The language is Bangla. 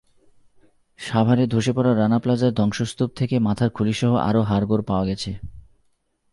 সাভারে ধসে পড়া রানা প্লাজার ধ্বংসস্তূপ থেকে মাথার খুলিসহ আরও হাড়গোড় পাওয়া গেছে।